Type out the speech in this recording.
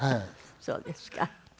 そうですか。